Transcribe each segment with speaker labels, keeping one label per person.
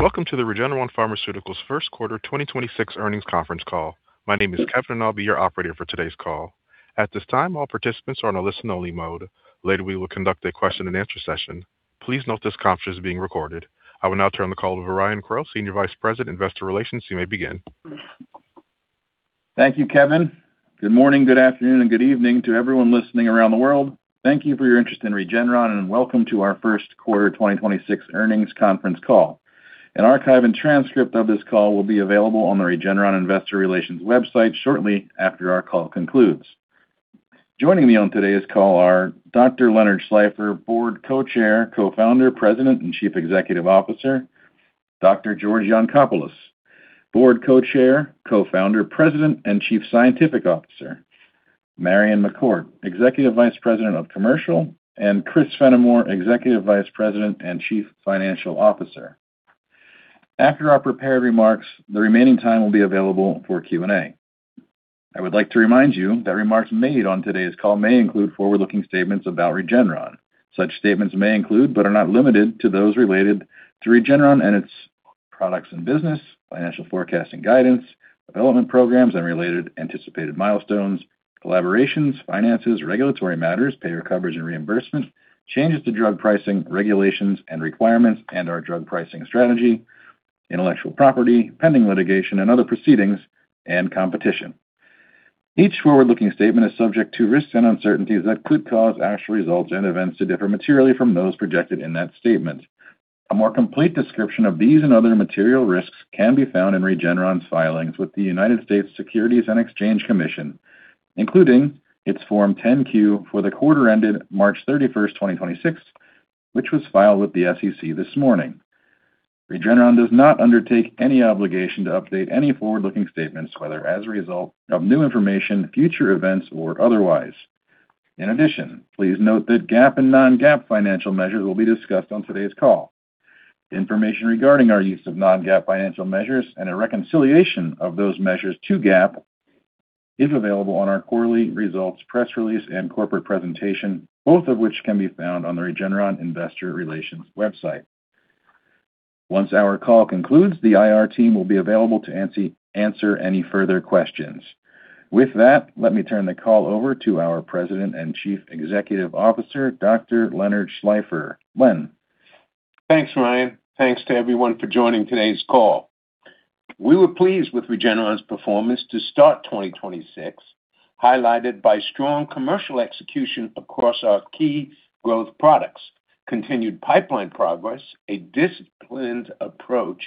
Speaker 1: Welcome to the Regeneron Pharmaceuticals first quarter 2026 earnings conference call. My name is Kevin, and I'll be your operator for today's call. At this time, all participants are on a listen only mode. Later, we will conduct a question and answer session. Please note this conference is being recorded. I will now turn the call over to Ryan Crowe, Senior Vice President, Investor Relations. You may begin.
Speaker 2: Thank you, Kevin. Good morning, good afternoon, and good evening to everyone listening around the world. Thank you for your interest in Regeneron, welcome to our first quarter 2026 earnings conference call. An archive and transcript of this call will be available on the Regeneron Investor Relations website shortly after our call concludes. Joining me on today's call are Dr. Leonard Schleifer, Board Co-Chair, Co-Founder, President, and Chief Executive Officer; Dr. George Yancopoulos, Board Co-Chair, Co-Founder, President, and Chief Scientific Officer; Marion McCourt, Executive Vice President, Commercial; and Christopher Fenimore, Executive Vice President and Chief Financial Officer. After our prepared remarks, the remaining time will be available for Q&A. I would like to remind you that remarks made on today's call may include forward-looking statements about Regeneron. Such statements may include, but are not limited to, those related to Regeneron and its products and business, financial forecast and guidance, development programs and related anticipated milestones, collaborations, finances, regulatory matters, payer coverage and reimbursement, changes to drug pricing, regulations and requirements, and our drug pricing strategy, intellectual property, pending litigation and other proceedings, and competition. Each forward-looking statement is subject to risks and uncertainties that could cause actual results and events to differ materially from those projected in that statement. A more complete description of these and other material risks can be found in Regeneron's filings with the United States Securities and Exchange Commission, including its Form 10-Q for the quarter ended March 31st, 2026, which was filed with the SEC this morning. Regeneron does not undertake any obligation to update any forward-looking statements, whether as a result of new information, future events, or otherwise. In addition, please note that GAAP and non-GAAP financial measures will be discussed on today's call. Information regarding our use of non-GAAP financial measures and a reconciliation of those measures to GAAP is available on our quarterly results press release and corporate presentation, both of which can be found on the Regeneron Investor Relations website. Once our call concludes, the IR team will be available to answer any further questions. With that, let me turn the call over to our President and Chief Executive Officer, Dr. Leonard Schleifer. Len.
Speaker 3: Thanks, Ryan. Thanks to everyone for joining today's call. We were pleased with Regeneron's performance to start 2026, highlighted by strong commercial execution across our key growth products, continued pipeline progress, a disciplined approach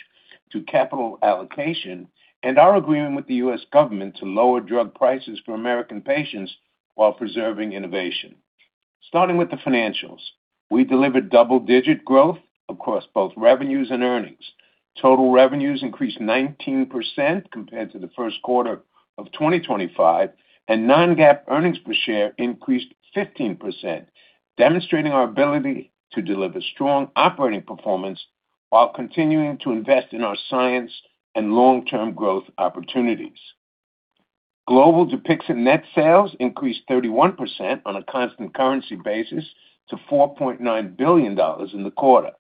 Speaker 3: to capital allocation, and our agreement with the U.S. government to lower drug prices for American patients while preserving innovation. Starting with the financials, we delivered double-digit growth across both revenues and earnings. Total revenues increased 19% compared to the first quarter of 2025, and non-GAAP earnings per share increased 15%, demonstrating our ability to deliver strong operating performance while continuing to invest in our science and long-term growth opportunities. Global Dupixent net sales increased 31% on a constant currency basis to $4.9 billion in the quarter.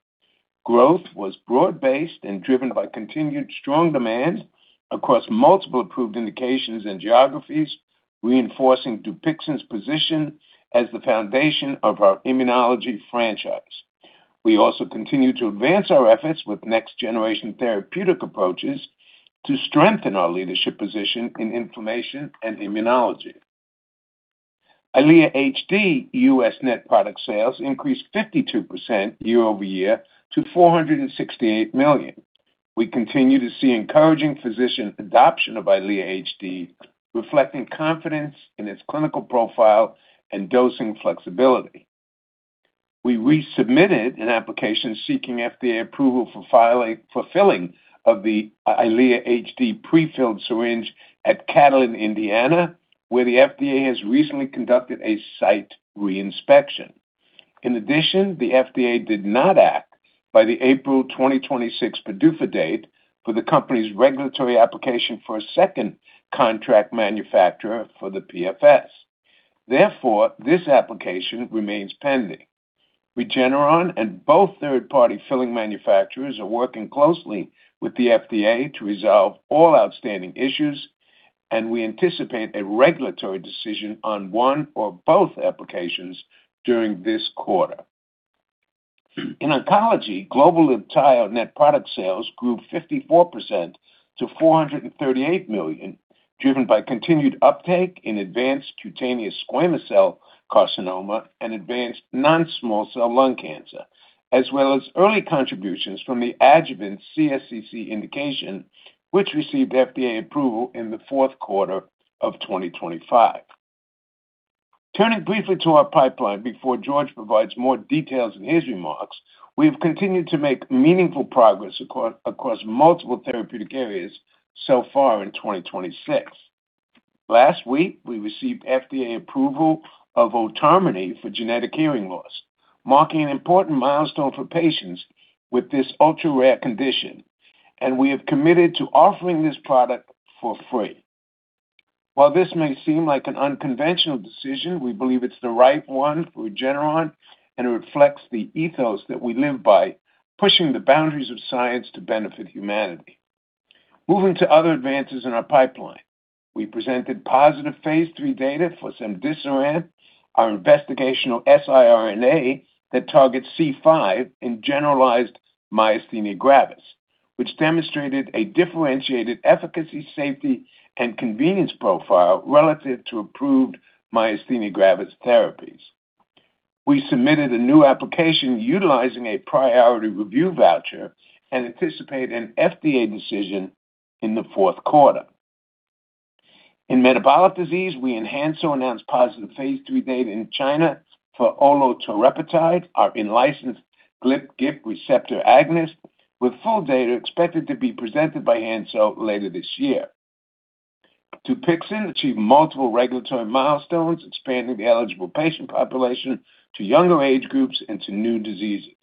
Speaker 3: Growth was broad-based and driven by continued strong demand across multiple approved indications and geographies, reinforcing Dupixent's position as the foundation of our immunology franchise. We also continue to advance our efforts with next-generation therapeutic approaches to strengthen our leadership position in inflammation and immunology. EYLEA HD U.S. net product sales increased 52% year-over-year to $468 million. We continue to see encouraging physician adoption of EYLEA HD, reflecting confidence in its clinical profile and dosing flexibility. We resubmitted an application seeking FDA approval for filling of the EYLEA HD prefilled syringe at Catalent, Indiana, where the FDA has recently conducted a site re-inspection. In addition, the FDA did not act by the April 2026 PDUFA date for the company's regulatory application for a second contract manufacturer for the PFS. Therefore, this application remains pending. Regeneron and both third-party filling manufacturers are working closely with the FDA to resolve all outstanding issues. We anticipate a regulatory decision on one or both applications during this quarter. In oncology, global Libtayo net product sales grew 54% to $438 million, driven by continued uptake in advanced cutaneous squamous cell carcinoma and advanced non-small cell lung cancer, as well as early contributions from the adjuvant CSCC indication, which received FDA approval in the fourth quarter of 2025. Turning briefly to our pipeline before George provides more details in his remarks, we have continued to make meaningful progress across multiple therapeutic areas so far in 2026. Last week, we received FDA approval of Otarmeni for genetic hearing loss, marking an important milestone for patients with this ultra-rare condition. We have committed to offering this product for free. While this may seem like an unconventional decision, we believe it's the right one for Regeneron. It reflects the ethos that we live by, pushing the boundaries of science to benefit humanity. Moving to other advances in our pipeline, we presented positive phase III data for cemdisiran, our investigational siRNA that targets C5 in generalized myasthenia gravis, which demonstrated a differentiated efficacy, safety, and convenience profile relative to approved myasthenia gravis therapies. We submitted a new application utilizing a priority review voucher and anticipate an FDA decision in the fourth quarter. In metabolic disease, we in Hansoh announced positive phase III data in China for olatorepatide, our in-licensed GLP-1 receptor agonist, with full data expected to be presented by Hansoh later this year. Dupixent achieved multiple regulatory milestones, expanding the eligible patient population to younger age groups and to new diseases.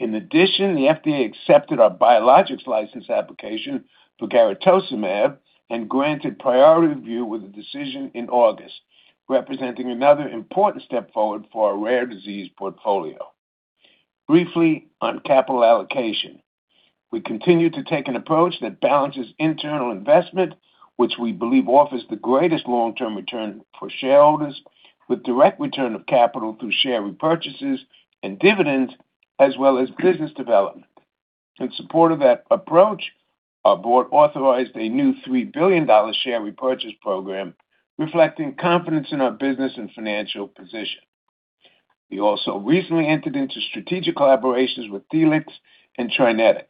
Speaker 3: The FDA accepted our biologics license application for garetosmab and granted priority review with a decision in August, representing another important step forward for our rare disease portfolio. Briefly on capital allocation, we continue to take an approach that balances internal investment, which we believe offers the greatest long-term return for shareholders, with direct return of capital through share repurchases and dividends, as well as business development. In support of that approach, our board authorized a new $3 billion share repurchase program reflecting confidence in our business and financial position. We also recently entered into strategic collaborations with Telix and TriNetX.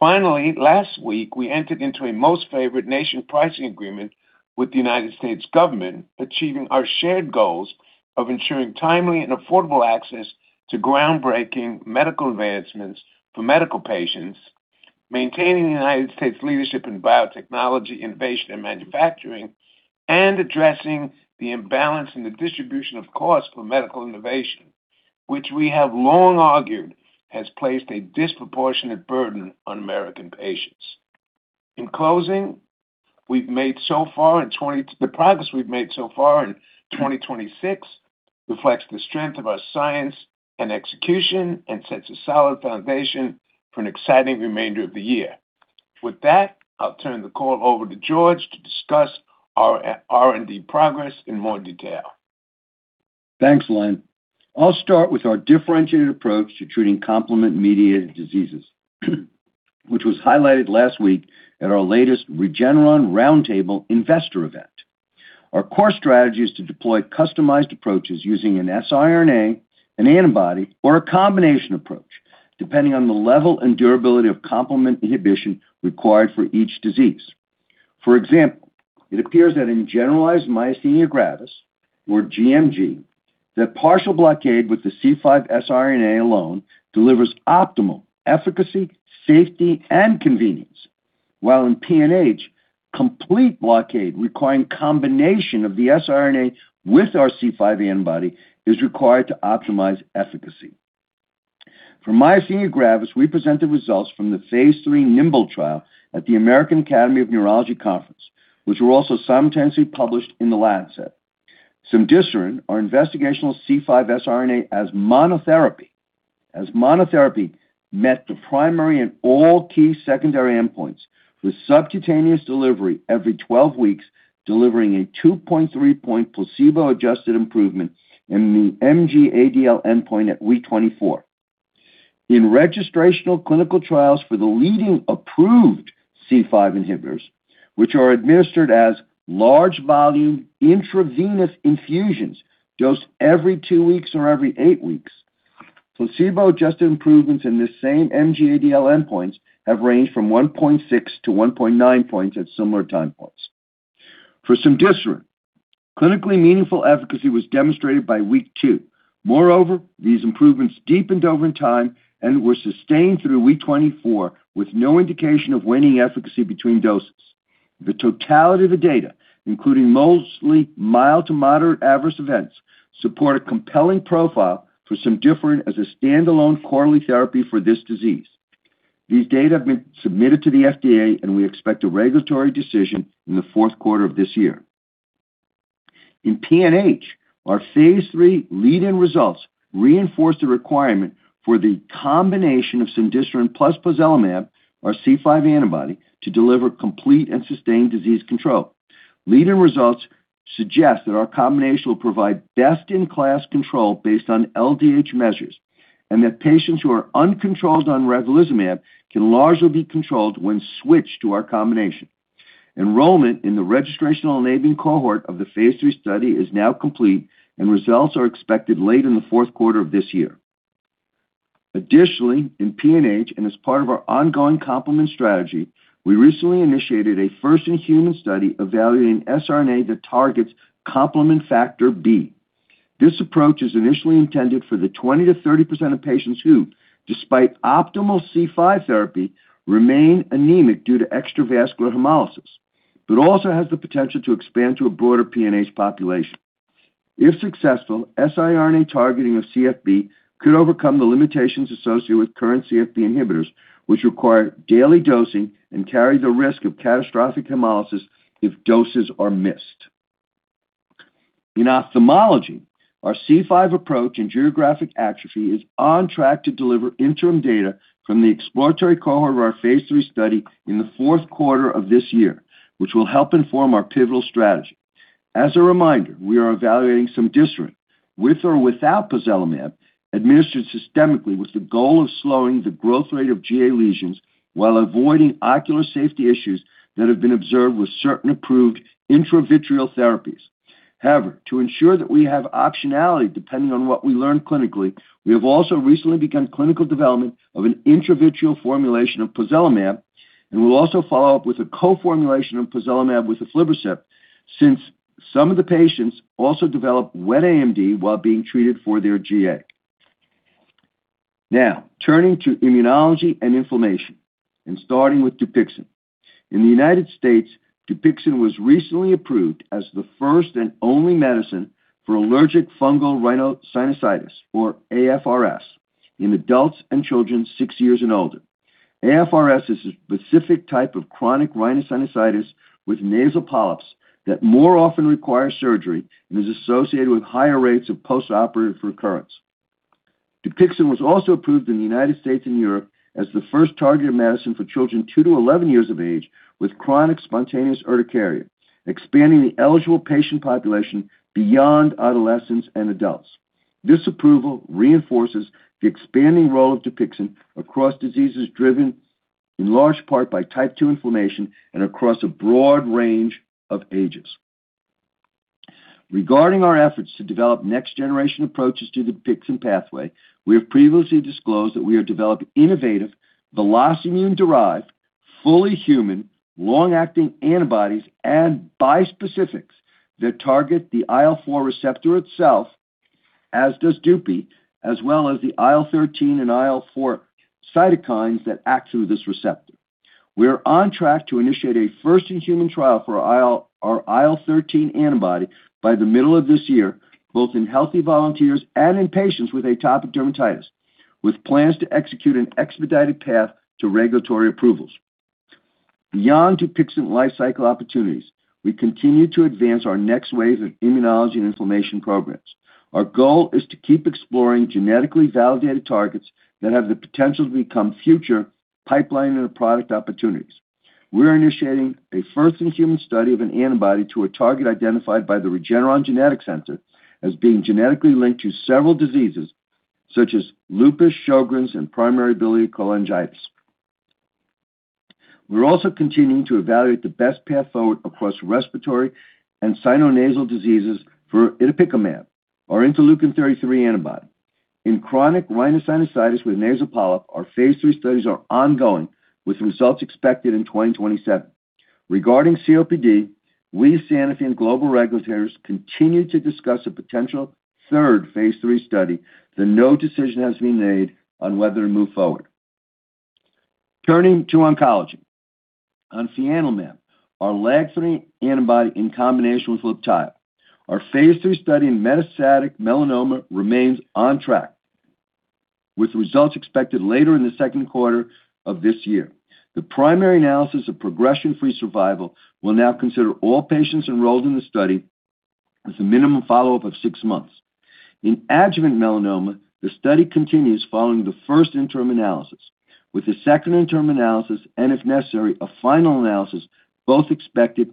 Speaker 3: Last week, we entered into a Most-Favored-Nation pricing agreement with the U.S. government, achieving our shared goals of ensuring timely and affordable access to groundbreaking medical advancements for medical patients, maintaining the U.S. leadership in biotechnology, innovation, and manufacturing, and addressing the imbalance in the distribution of cost for medical innovation, which we have long argued has placed a disproportionate burden on American patients. In closing, the progress we've made so far in 2026 reflects the strength of our science and execution and sets a solid foundation for an exciting remainder of the year. I'll turn the call over to George to discuss our R&D progress in more detail.
Speaker 4: Thanks, Len. I'll start with our differentiated approach to treating complement-mediated diseases, which was highlighted last week at our latest Regeneron Roundtable investor event. Our core strategy is to deploy customized approaches using an siRNA, an antibody, or a combination approach, depending on the level and durability of complement inhibition required for each disease. For example, it appears that in generalized myasthenia gravis, or gMG, that partial blockade with the C5 siRNA alone delivers optimal efficacy, safety, and convenience. While in PNH, complete blockade requiring combination of the siRNA with our C5 antibody is required to optimize efficacy. For myasthenia gravis, we presented results from the phase III NIMBLE trial at the American Academy of Neurology Conference, which were also simultaneously published in The Lancet. Cemdisiran, our investigational C5 siRNA as monotherapy, met the primary and all key secondary endpoints with subcutaneous delivery every 12 weeks, delivering a 2.3 placebo-adjusted improvement in the MG-ADL endpoint at week 24. In registrational clinical trials for the leading approved C5 inhibitors, which are administered as large volume intravenous infusions dosed every two weeks or every eight weeks, placebo-adjusted improvements in the same MG-ADL endpoints have ranged from 1.6-1.9 points at similar time points. For Cemdisiran, clinically meaningful efficacy was demonstrated by week two. These improvements deepened over in time and were sustained through week 24 with no indication of waning efficacy between doses. The totality of the data, including mostly mild to moderate adverse events, support a compelling profile for Cemdisiran as a standalone quarterly therapy for this disease. These data have been submitted to the FDA. We expect a regulatory decision in the fourth quarter of this year. In PNH, our phase III lead-in results reinforce the requirement for the combination of cemdisiran plus pozelimab, our C5 antibody, to deliver complete and sustained disease control. Lead-in results suggest that our combination will provide best-in-class control based on LDH measures that patients who are uncontrolled on ravulizumab can largely be controlled when switched to our combination. Enrollment in the registrational enabling cohort of the phase III study is now complete. Results are expected late in the fourth quarter of this year. Additionally, in PNH, as part of our ongoing complement strategy, we recently initiated a first-in-human study evaluating siRNA that targets complement factor B. This approach is initially intended for the 20%-30% of patients who, despite optimal C5 therapy, remain anemic due to extravascular hemolysis, but also has the potential to expand to a broader PNH population. If successful, siRNA targeting of CFB could overcome the limitations associated with current CFB inhibitors, which require daily dosing and carry the risk of catastrophic hemolysis if doses are missed. In ophthalmology, our C5 approach in geographic atrophy is on track to deliver interim data from the exploratory cohort of our phase III study in the fourth quarter of this year, which will help inform our pivotal strategy. As a reminder, we are evaluating cemdisiran, with or without pozelimab, administered systemically with the goal of slowing the growth rate of GA lesions while avoiding ocular safety issues that have been observed with certain approved intravitreal therapies. However, to ensure that we have optionality depending on what we learn clinically, we have also recently begun clinical development of an intravitreal formulation of pozelimab, and we will also follow up with a co-formulation of pozelimab with aflibercept, since some of the patients also develop wet AMD while being treated for their GA. Turning to immunology and inflammation, and starting with Dupixent. In the U.S., Dupixent was recently approved as the first and only medicine for allergic fungal rhinosinusitis, or AFRS, in adults and children six years and older. AFRS is a specific type of chronic rhinosinusitis with nasal polyps that more often requires surgery and is associated with higher rates of postoperative recurrence. Dupixent was also approved in the United States and Europe as the first targeted medicine for children 2-11 years of age with chronic spontaneous urticaria, expanding the eligible patient population beyond adolescents and adults. This approval reinforces the expanding role of Dupixent across diseases driven in large part by type 2 inflammation and across a broad range of ages. Regarding our efforts to develop next-generation approaches to the Dupixent pathway, we have previously disclosed that we are developing innovative, VelocImmune-derived, fully human, long-acting antibodies and bispecifics that target the IL-4 receptor itself, as does Dupi, as well as the IL-13 and IL-4 cytokines that act through this receptor. We are on track to initiate a first-in-human trial for our IL-13 antibody by the middle of this year, both in healthy volunteers and in patients with atopic dermatitis, with plans to execute an expedited path to regulatory approvals. Beyond Dupixent lifecycle opportunities, we continue to advance our next wave of immunology and inflammation programs. Our goal is to keep exploring genetically validated targets that have the potential to become future pipeline and product opportunities. We are initiating a first-in-human study of an antibody to a target identified by the Regeneron Genetics Center as being genetically linked to several diseases, such as lupus, Sjögren's, and primary biliary cholangitis. We're also continuing to evaluate the best path forward across respiratory and sinonasal diseases for itepekimab, our interleukin-33 antibody. In chronic rhinosinusitis with nasal polyp, our phase III studies are ongoing, with results expected in 2027. Regarding COPD, we, Sanofi, and global regulators continue to discuss a potential third phase III study, though no decision has been made on whether to move forward. Turning to oncology. On fianlimab, our LAG-3 antibody in combination with Libtayo, our phase III study in metastatic melanoma remains on track, with results expected later in the second quarter of this year. The primary analysis of progression-free survival will now consider all patients enrolled in the study with a minimum follow-up of six months. In adjuvant melanoma, the study continues following the first interim analysis, with the second interim analysis, and if necessary, a final analysis, both expected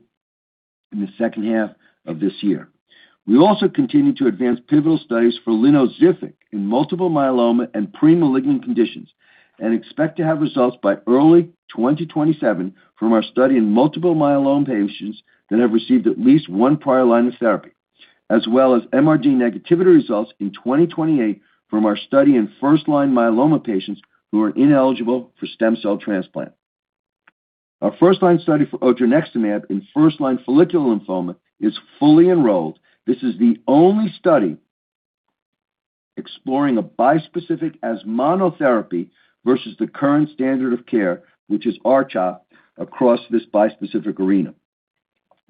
Speaker 4: in the second half of this year. We also continue to advance pivotal studies for linvoseltamab in multiple myeloma and pre-malignant conditions and expect to have results by early 2027 from our study in multiple myeloma patients that have received at least one prior line of therapy, as well as MRD negativity results in 2028 from our study in first-line myeloma patients who are ineligible for stem cell transplant. Our first-line study for odronextamab in first-line follicular lymphoma is fully enrolled. This is the only study exploring a bispecific as monotherapy versus the current standard of care, which is R-CHOP, across this bispecific arena.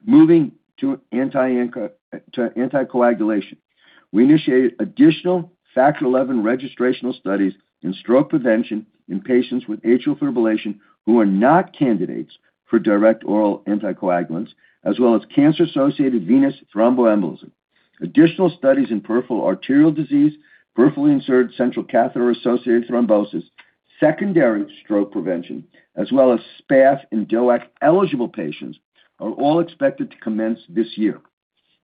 Speaker 4: Moving to anticoagulation. We initiated additional Factor XI registrational studies in stroke prevention in patients with atrial fibrillation who are not candidates for direct oral anticoagulants, as well as cancer-associated venous thromboembolism. Additional studies in peripheral arterial disease, peripherally inserted central catheter-associated thrombosis, secondary stroke prevention, as well as SPAF and DOAC-eligible patients are all expected to commence this year.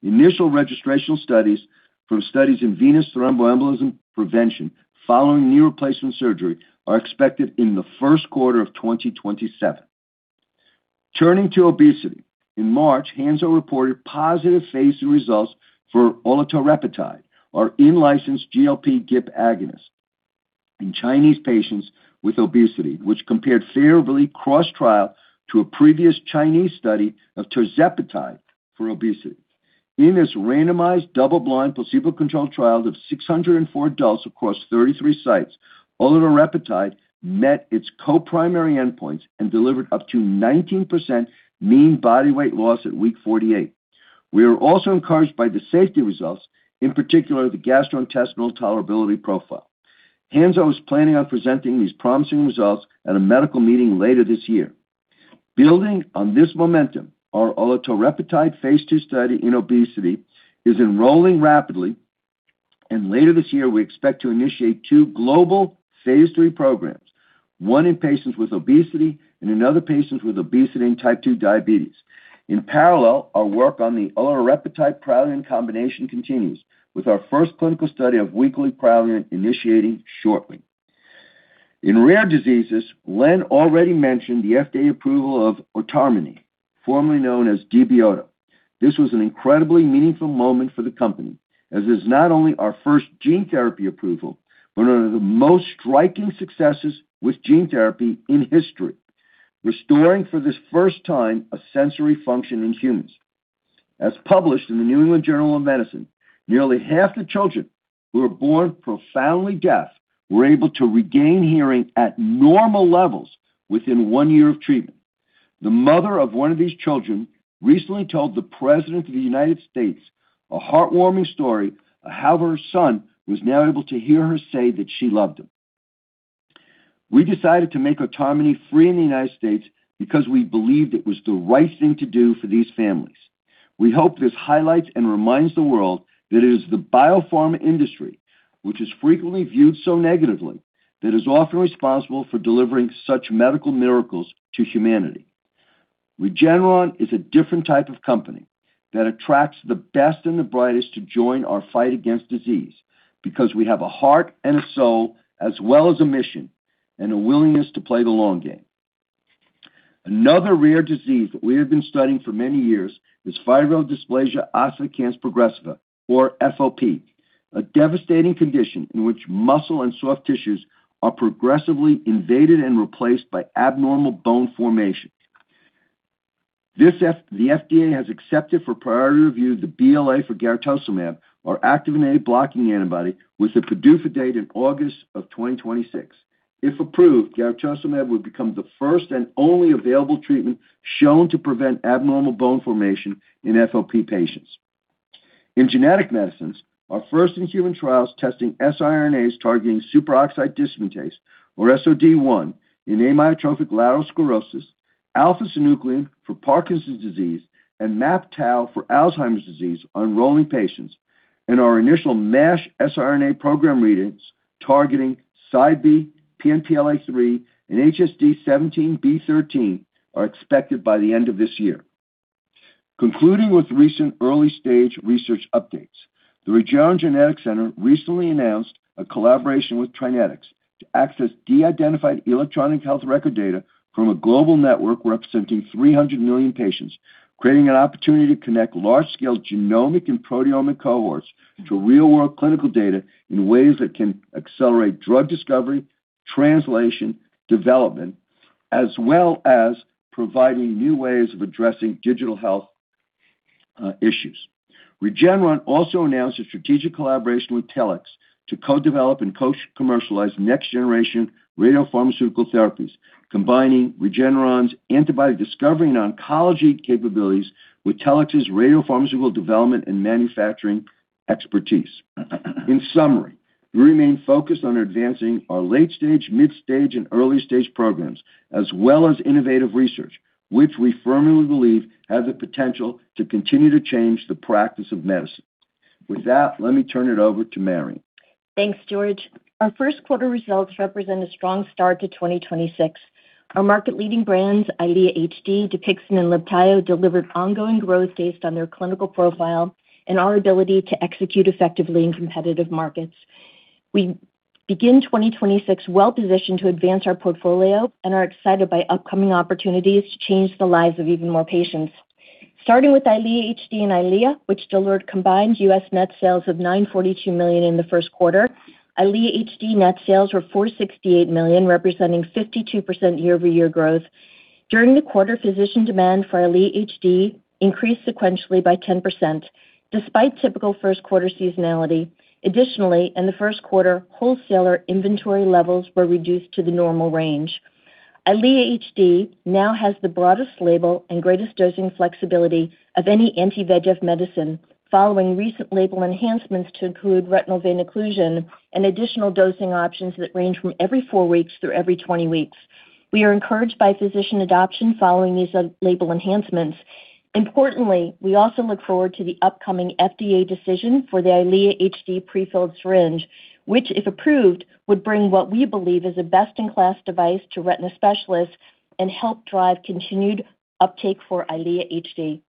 Speaker 4: Initial registrational studies from studies in venous thromboembolism prevention following knee replacement surgery are expected in the first quarter of 2027. Turning to obesity. In March, Hansoh reported positive phase III results for olatorepatide, our in-licensed GLP-1/GIP agonist in Chinese patients with obesity, which compared favorably cross-trial to a previous Chinese study of tirzepatide for obesity. In this randomized, double-blind, placebo-controlled trial of 604 adults across 33 sites, olatorepatide met its co-primary endpoints and delivered up to 19% mean body weight loss at week 48. We are also encouraged by the safety results, in particular the gastrointestinal tolerability profile. Hansoh is planning on presenting these promising results at a medical meeting later this year. Building on this momentum, our olatorepatide phase II study in obesity is enrolling rapidly. Later this year, we expect to initiate two global phase III programs, one in patients with obesity and another patients with obesity and type two diabetes. In parallel, our work on the olatorepatide Praluent combination continues, with our first clinical study of weekly Praluent initiating shortly. In rare diseases, Len already mentioned the FDA approval of Otarmeni, formerly known as DB-OTO. This was an incredibly meaningful moment for the company, as it is not only our first gene therapy approval, but one of the most striking successes with gene therapy in history, restoring for this first time a sensory function in humans. As published in The New England Journal of Medicine, nearly half the children who were born profoundly deaf were able to regain hearing at normal levels within one year of treatment. The mother of one of these children recently told the President of the United States a heartwarming story of how her son was now able to hear her say that she loved him. We decided to make Otarmeni free in the United States because we believed it was the right thing to do for these families. We hope this highlights and reminds the world that it is the biopharma industry, which is frequently viewed so negatively, that is often responsible for delivering such medical miracles to humanity. Regeneron is a different type of company that attracts the best and the brightest to join our fight against disease because we have a heart and a soul, as well as a mission and a willingness to play the long game. Another rare disease that we have been studying for many years is fibrodysplasia ossificans progressiva, or FOP, a devastating condition in which muscle and soft tissues are progressively invaded and replaced by abnormal bone formation. The FDA has accepted for priority review the BLA for garetosmab, our activin A blocking antibody, with a PDUFA date in August of 2026. If approved, garetosmab would become the first and only available treatment shown to prevent abnormal bone formation in FOP patients. In genetic medicines, our first-in-human trials testing siRNAs targeting superoxide dismutase, or SOD1, in amyotrophic lateral sclerosis, alpha-synuclein for Parkinson's disease, and MAPT for Alzheimer's disease are enrolling patients, and our initial MASH siRNA program readings targeting CIDEB, PNPLA3, and HSD17B13 are expected by the end of this year. Concluding with recent early-stage research updates, the Regeneron Genetics Center recently announced a collaboration with TriNetX to access de-identified electronic health record data from a global network representing 300 million patients, creating an opportunity to connect large-scale genomic and proteomic cohorts to real-world clinical data in ways that can accelerate drug discovery, translation, development, as well as providing new ways of addressing digital health issues. Regeneron also announced a strategic collaboration with Telix to co-develop and co-commercialize next-generation radiopharmaceutical therapies, combining Regeneron's antibody discovery and oncology capabilities with Telix's radiopharmaceutical development and manufacturing expertise. In summary, we remain focused on advancing our late-stage, mid-stage, and early-stage programs, as well as innovative research, which we firmly believe has the potential to continue to change the practice of medicine. With that, let me turn it over to Marion.
Speaker 5: Thanks, George. Our first quarter results represent a strong start to 2026. Our market-leading brands, EYLEA HD, Dupixent, and Libtayo, delivered ongoing growth based on their clinical profile and our ability to execute effectively in competitive markets. We begin 2026 well-positioned to advance our portfolio and are excited by upcoming opportunities to change the lives of even more patients. Starting with EYLEA HD and EYLEA, which delivered combined U.S. net sales of $942 million in the first quarter, EYLEA HD net sales were $468 million, representing 52% year-over-year growth. During the quarter, physician demand for EYLEA HD increased sequentially by 10% despite typical first quarter seasonality. Additionally, in the first quarter, wholesaler inventory levels were reduced to the normal range. EYLEA HD now has the broadest label and greatest dosing flexibility of any anti-VEGF medicine following recent label enhancements to include retinal vein occlusion and additional dosing options that range from every four weeks through every 20 weeks. We are encouraged by physician adoption following these label enhancements. Importantly, we also look forward to the upcoming FDA decision for the EYLEA HD prefilled syringe, which, if approved, would bring what we believe is a best-in-class device to retina specialists and help drive continued uptake for EYLEA HD.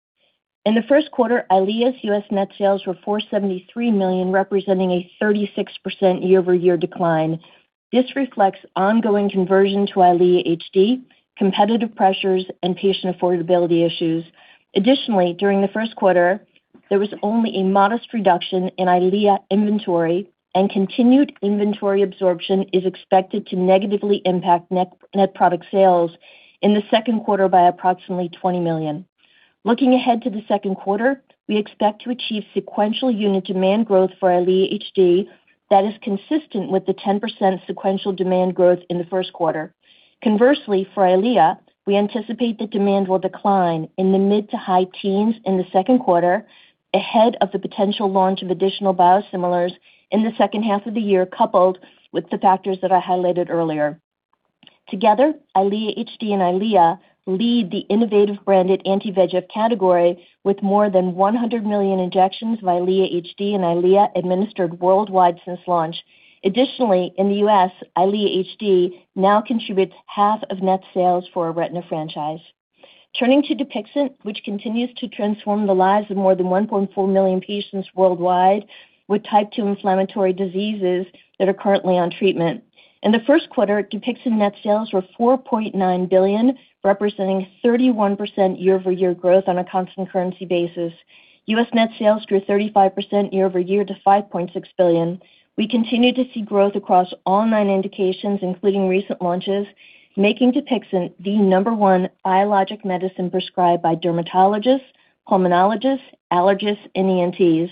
Speaker 5: In the first quarter, EYLEA's U.S. net sales were $473 million, representing a 36% year-over-year decline. This reflects ongoing conversion to EYLEA HD, competitive pressures, and patient affordability issues. Additionally, during the first quarter, there was only a modest reduction in EYLEA inventory and continued inventory absorption is expected to negatively impact net product sales in the second quarter by approximately $20 million. Looking ahead to the second quarter, we expect to achieve sequential unit demand growth for EYLEA HD that is consistent with the 10% sequential demand growth in the first quarter. Conversely, for EYLEA, we anticipate that demand will decline in the mid-to-high teens in the second quarter ahead of the potential launch of additional biosimilars in the second half of the year, coupled with the factors that I highlighted earlier. Together, EYLEA HD and EYLEA lead the innovative branded anti-VEGF category with more than 100 million injections of EYLEA HD and EYLEA administered worldwide since launch. Additionally, in the U.S., EYLEA HD now contributes half of net sales for our retina franchise. Turning to DUPIXENT, which continues to transform the lives of more than 1.4 million patients worldwide with type 2 inflammatory diseases that are currently on treatment. In the first quarter, DUPIXENT net sales were $4.9 billion, representing 31% year-over-year growth on a constant currency basis. U.S. net sales grew 35% year-over-year to $5.6 billion. We continue to see growth across all nine indications, including recent launches, making DUPIXENT the Number 1 biologic medicine prescribed by dermatologists, pulmonologists, allergists, and ENTs.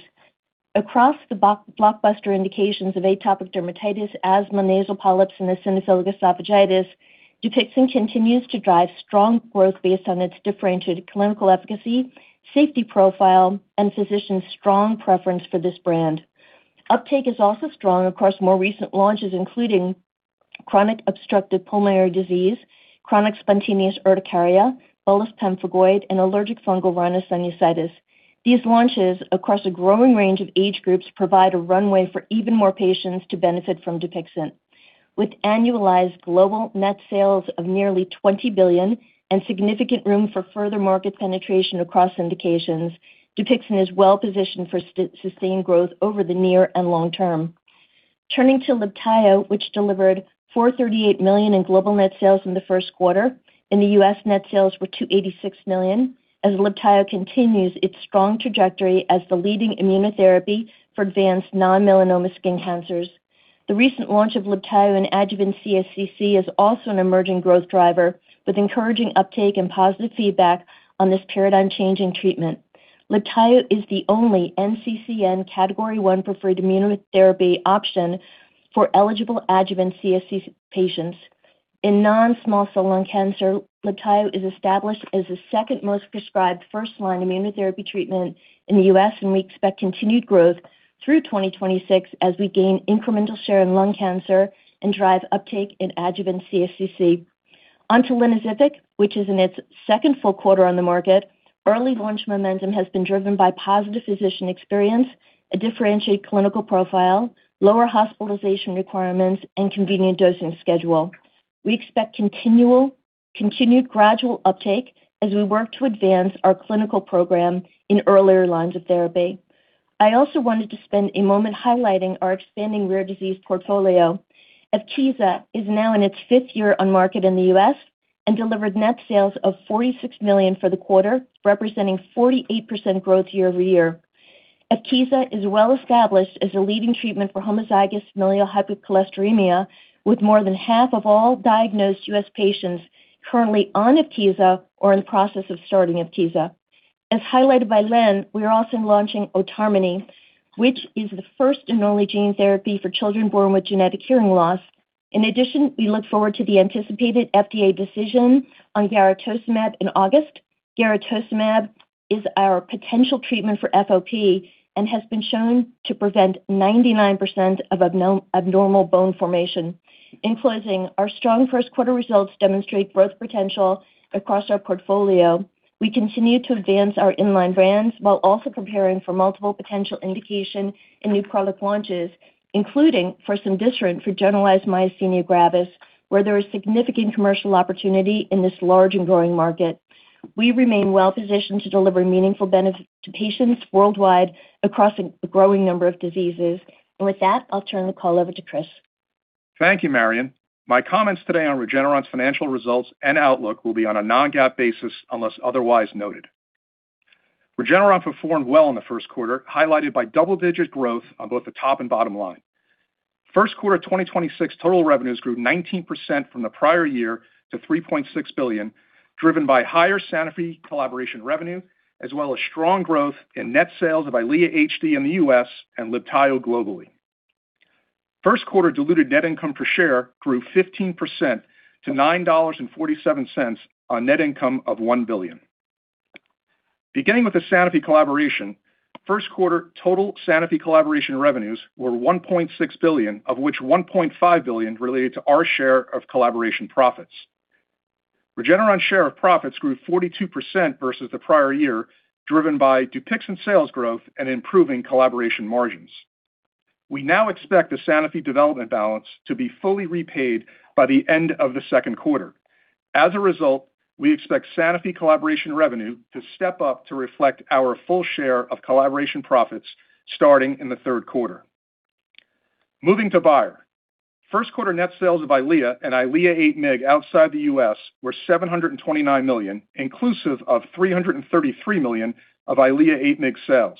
Speaker 5: Across the blockbuster indications of atopic dermatitis, asthma, nasal polyps, and eosinophilic esophagitis, DUPIXENT continues to drive strong growth based on its differentiated clinical efficacy, safety profile, and physicians' strong preference for this brand. Uptake is also strong across more recent launches, including chronic obstructive pulmonary disease, chronic spontaneous urticaria, bullous pemphigoid, and allergic fungal rhinosinusitis. These launches across a growing range of age groups provide a runway for even more patients to benefit from DUPIXENT. With annualized global net sales of nearly $20 billion and significant room for further market penetration across indications, DUPIXENT is well-positioned for sustained growth over the near and long-term. Turning to LIBTAYO, which delivered $438 million in global net sales in the first quarter. In the U.S., net sales were $286 million as LIBTAYO continues its strong trajectory as the leading immunotherapy for advanced non-melanoma skin cancers. The recent launch of LIBTAYO in adjuvant CSCC is also an emerging growth driver with encouraging uptake and positive feedback on this paradigm-changing treatment. LIBTAYO is the only NCCN Category One preferred immunotherapy option for eligible adjuvant CSCC patients. In non-small cell lung cancer, Libtayo is established as the 2nd most prescribed first-line immunotherapy treatment in the U.S. We expect continued growth through 2026 as we gain incremental share in lung cancer and drive uptake in adjuvant CSCC. Onto linvoseltamab, which is in its 2nd full quarter on the market, early launch momentum has been driven by positive physician experience, a differentiated clinical profile, lower hospitalization requirements, and convenient dosing schedule. We expect continued gradual uptake as we work to advance our clinical program in earlier lines of therapy. I also wanted to spend a moment highlighting our expanding rare disease portfolio. Evkeeza is now in its 5th year on market in the U.S. and delivered net sales of $46 million for the quarter, representing 48% growth year-over-year. Evkeeza is well established as a leading treatment for homozygous familial hypercholesterolemia, with more than half of all diagnosed U.S. patients currently on Evkeeza or in the process of starting Evkeeza. As highlighted by Len, we are also launching Otarmeni, which is the first and only gene therapy for children born with genetic hearing loss. In addition, we look forward to the anticipated FDA decision on garetosmab in August. Garetosmab is our potential treatment for FOP and has been shown to prevent 99% of abnormal bone formation. In closing, our strong first quarter results demonstrate growth potential across our portfolio. We continue to advance our in-line brands while also preparing for multiple potential indication and new product launches, including for cemdisiran for generalized myasthenia gravis, where there is significant commercial opportunity in this large and growing market. We remain well-positioned to deliver meaningful benefits to patients worldwide across a growing number of diseases. With that, I'll turn the call over to Chris.
Speaker 6: Thank you, Marion. My comments today on Regeneron's financial results and outlook will be on a non-GAAP basis unless otherwise noted. Regeneron performed well in the first quarter, highlighted by double-digit growth on both the top and bottom line. First quarter 2026 total revenues grew 19% from the prior year to $3.6 billion, driven by higher Sanofi collaboration revenue as well as strong growth in net sales of EYLEA HD in the U.S. and Libtayo globally. First quarter diluted net income per share grew 15% to $9.47 on net income of $1 billion. Beginning with the Sanofi collaboration, first quarter total Sanofi collaboration revenues were $1.6 billion, of which $1.5 billion related to our share of collaboration profits. Regeneron's share of profits grew 42% versus the prior year, driven by Dupixent sales growth and improving collaboration margins. We now expect the Sanofi development balance to be fully repaid by the end of the second quarter. As a result, we expect Sanofi collaboration revenue to step up to reflect our full share of collaboration profits starting in the third quarter. Moving to Bayer, first quarter net sales of EYLEA and EYLEA 8 mg outside the U.S. were $729 million, inclusive of $333 million of EYLEA 8 mg sales.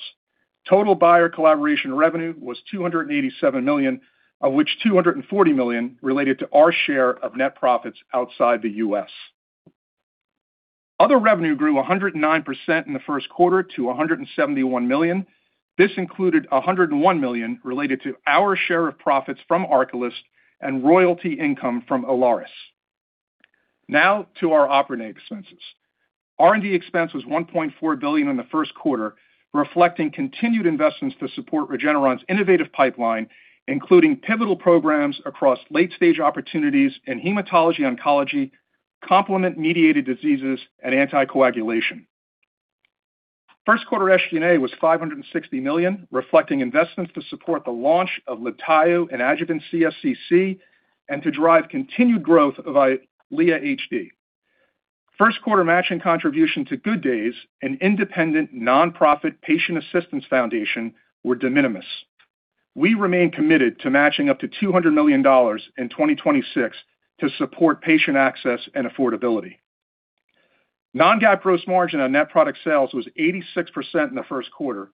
Speaker 6: Total Bayer collaboration revenue was $287 million, of which $240 million related to our share of net profits outside the U.S. Other revenue grew 109% in the first quarter to $171 million. This included $101 million related to our share of profits from ARCALYST and royalty income from Ilaris. To our operating expenses. R&D expense was $1.4 billion in the first quarter, reflecting continued investments to support Regeneron's innovative pipeline, including pivotal programs across late-stage opportunities in hematology oncology, complement mediated diseases, and anticoagulation. First quarter SG&A was $560 million, reflecting investments to support the launch of Libtayo and adjuvant CSCC and to drive continued growth of EYLEA HD. First quarter matching contribution to Good Days, an independent nonprofit patient assistance foundation, were de minimis. We remain committed to matching up to $200 million in 2026 to support patient access and affordability. Non-GAAP gross margin on net product sales was 86% in the first quarter.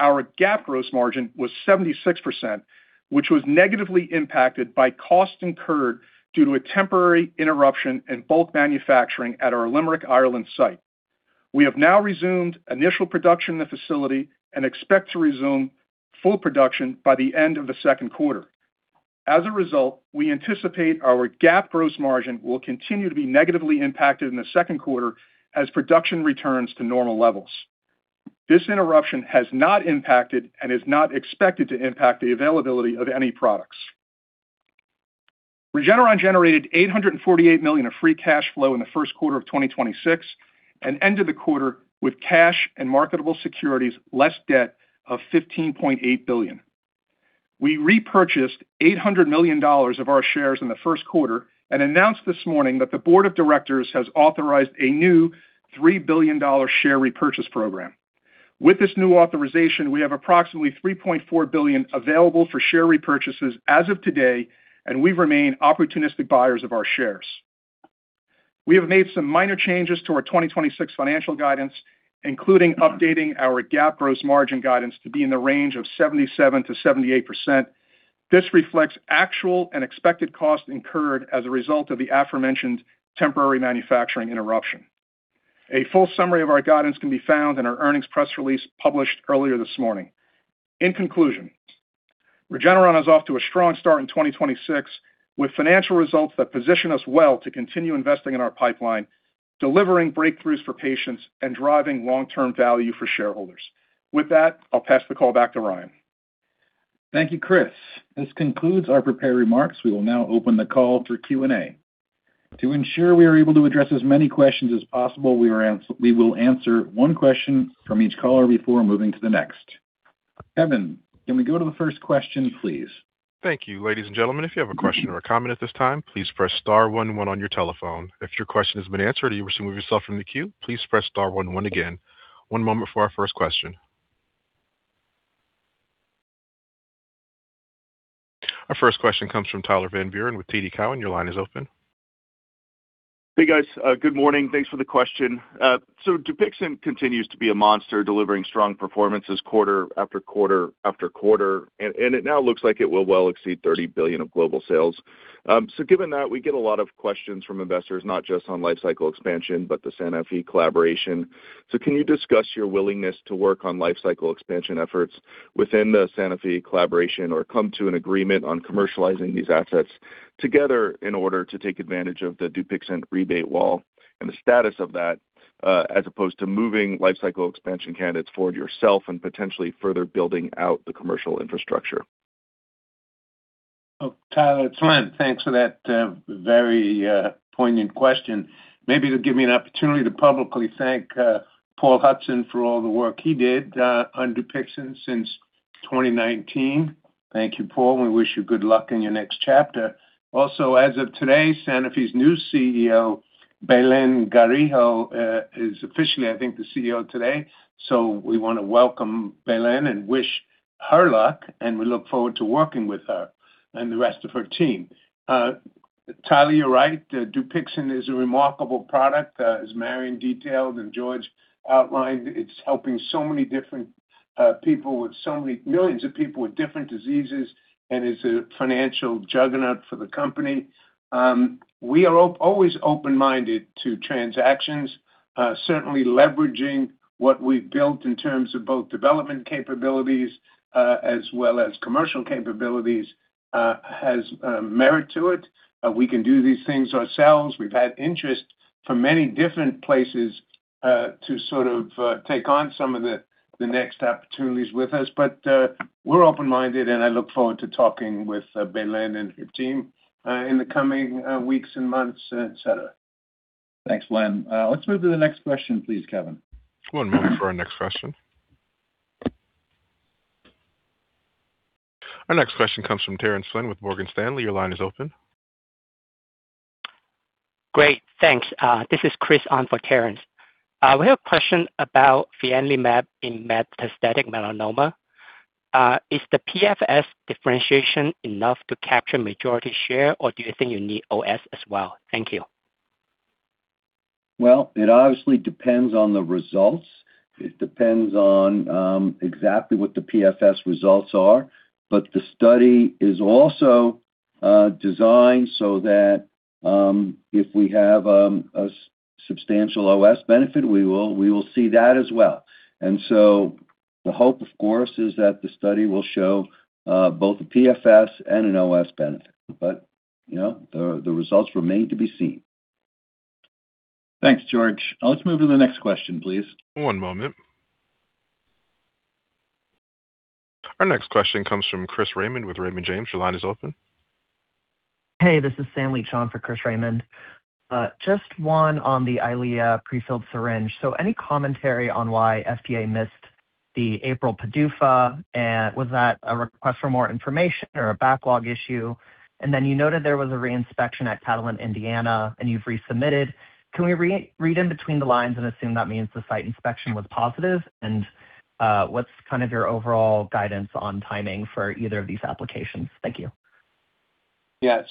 Speaker 6: Our GAAP gross margin was 76%, which was negatively impacted by costs incurred due to a temporary interruption in bulk manufacturing at our Limerick, Ireland site. We have now resumed initial production in the facility and expect to resume full production by the end of the second quarter. As a result, we anticipate our GAAP gross margin will continue to be negatively impacted in the second quarter as production returns to normal levels. This interruption has not impacted and is not expected to impact the availability of any products. Regeneron generated $848 million of free cash flow in the first quarter of 2026 and ended the quarter with cash and marketable securities less debt of $15.8 billion. We repurchased $800 million of our shares in the first quarter and announced this morning that the board of directors has authorized a new $3 billion share repurchase program. With this new authorization, we have approximately $3.4 billion available for share repurchases as of today, and we remain opportunistic buyers of our shares. We have made some minor changes to our 2026 financial guidance, including updating our GAAP gross margin guidance to be in the range of 77%-78%. This reflects actual and expected costs incurred as a result of the aforementioned temporary manufacturing interruption. A full summary of our guidance can be found in our earnings press release published earlier this morning. In conclusion, Regeneron is off to a strong start in 2026 with financial results that position us well to continue investing in our pipeline, delivering breakthroughs for patients, and driving long-term value for shareholders. With that, I'll pass the call back to Ryan.
Speaker 2: Thank you, Chris. This concludes our prepared remarks. We will now open the call for Q&A. To ensure we are able to address as many questions as possible, we will answer one question from each caller before moving to the next. Kevin, can we go to the first question, please?
Speaker 1: Thank you. Ladies and gentlemen, if you have a question or a comment at this time, please press star one, on your telephone. If your question has been answered or you receive yourself from the queue, please press star one. One moment for our first question. Our first question comes from Tyler Van Buren with TD Cowen. Your line is open.
Speaker 7: Hey, guys. Good morning. Thanks for the question. Dupixent continues to be a monster, delivering strong performances quarter-after-quarter, and it now looks like it will well exceed $30 billion of global sales. Given that, we get a lot of questions from investors, not just on life cycle expansion, but the Sanofi collaboration. Can you discuss your willingness to work on life cycle expansion efforts within the Sanofi collaboration or come to an agreement on commercializing these assets together in order to take advantage of the Dupixent rebate wall and the status of that, as opposed to moving life cycle expansion candidates forward yourself and potentially further building out the commercial infrastructure?
Speaker 3: Oh, Tyler, it's Len. Thanks for that very poignant question. Maybe it'll give me an opportunity to publicly thank Paul Hudson for all the work he did on Dupixent since 2019. Thank you, Paul. We wish you good luck in your next chapter. As of today, Sanofi's new CEO, Belén Garijo, is officially, I think, the CEO today. We want to welcome Belén and wish her luck, and we look forward to working with her and the rest of her team. Tyler, you're right. Dupixent is a remarkable product. As Marion detailed and George outlined, it's helping so many different people with millions of people with different diseases and is a financial juggernaut for the company. We are always open-minded to transactions. Certainly leveraging what we've built in terms of both development capabilities, as well as commercial capabilities, has merit to it. We can do these things ourselves. We've had interest from many different places, to take on some of the next opportunities with us. We're open-minded, and I look forward to talking with Belén and her team, in the coming weeks and months, etc.
Speaker 2: Thanks, Len. Let's move to the next question please, Kevin.
Speaker 1: One moment for our next question. Our next question comes from Terence Flynn with Morgan Stanley. Your line is open.
Speaker 8: Great. Thanks. This is Chris on for Terence. We have a question about fianlimab in metastatic melanoma. Is the PFS differentiation enough to capture majority share, or do you think you need OS as well? Thank you.
Speaker 4: Well, it obviously depends on the results. It depends on exactly what the PFS results are. The study is also designed so that. Substantial OS benefit, we will see that as well. The hope, of course, is that the study will show both a PFS and an OS benefit. You know, the results remain to be seen.
Speaker 2: Thanks, George. Let's move to the next question, please.
Speaker 1: One moment. Our next question comes from Chris Raymond with Raymond James. Your line is open.
Speaker 9: Hey, this is Stanley Chon for Chris Raymond. Just one on the EYLEA pre-filled syringe. Any commentary on why FDA missed the April PDUFA? Was that a request for more information or a backlog issue? You noted there was a re-inspection at Catalent Indiana, and you've resubmitted. Can we re-read in between the lines and assume that means the site inspection was positive? What's your overall guidance on timing for either of these applications? Thank you.
Speaker 3: Yeah.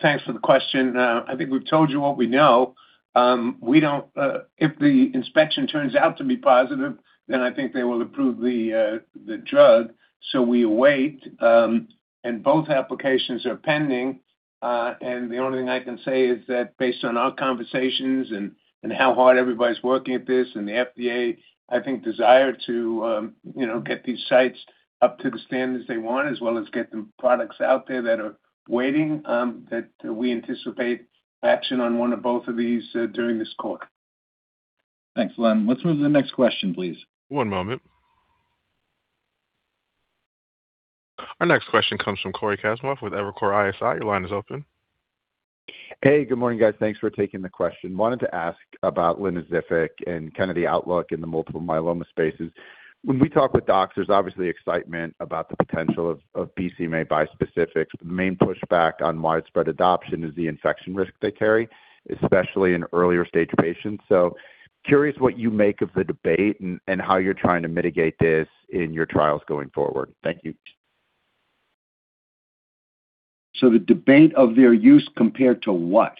Speaker 3: Thanks for the question. I think we've told you what we know. If the inspection turns out to be positive, I think they will approve the drug, so we await. Both applications are pending. The only thing I can say is that based on our conversations and how hard everybody's working at this and the FDA, I think, desire to, you know, get these sites up to the standards they want, as well as get the products out there that are waiting, that we anticipate action on one or both of these during this quarter.
Speaker 2: Thanks, Len. Let's move to the next question, please.
Speaker 1: One moment. Our next question comes from Cory Kasimov with Evercore ISI. Your line is open.
Speaker 10: Hey, good morning, guys. Thanks for taking the question. I wanted to ask about linvoseltamab and the outlook in the multiple myeloma spaces. When we talk with docs, there's obviously excitement about the potential of BCMA bispecifics. The main pushback on widespread adoption is the infection risk they carry, especially in earlier stage patients. I am curious what you make of the debate and how you're trying to mitigate this in your trials going forward. Thank you.
Speaker 4: The debate of their use compared to what?